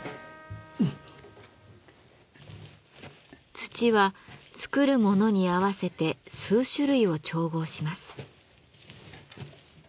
土は作る物に合わせて数種類を調合します。